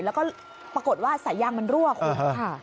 แล้วก็ปรากฏว่าสายยางมันรั่วคุณค่ะ